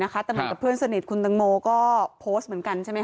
แต่เหมือนกับเพื่อนสนิทคุณตังโมก็โพสต์เหมือนกันใช่ไหมค